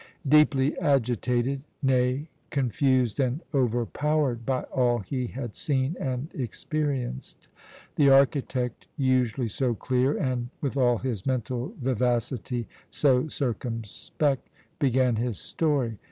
Deeply agitated nay, confused and overpowered by all he had seen and experienced the architect, usually so clear and, with all his mental vivacity, so circumspect, began his story.